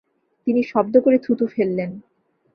তিনি শব্দ করে থুথু ফেললেন।